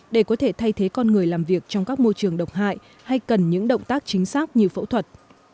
để có thể thay thế con người làm việc trong các môi trường độc hại hay cần những động tác chính xác như phẫu thuật